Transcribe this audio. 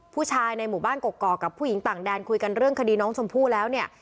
ผู้ชายในหมู่บ้านกกอกกับผู้หญิงต่างแดนคุยกันเรื่องคดีน้องชมพู่แล้วเนี่ย